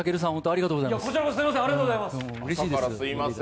ありがとうございます。